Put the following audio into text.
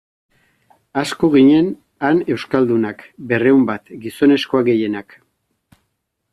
Asko ginen han euskaldunak, berrehunen bat, gizonezkoak gehienak.